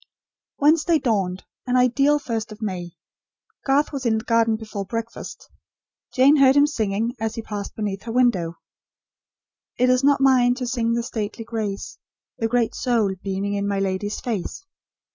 Wednesday dawned; an ideal First of May: Garth was in the garden before breakfast. Jane heard him singing, as he passed beneath her window. "It is not mine to sing the stately grace, The great soul beaming in my lady's face."